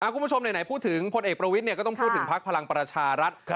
คุณผู้ชมไหนพูดถึงพลเอกประวิทย์ก็ต้องพูดถึงพักพลังประชารัฐ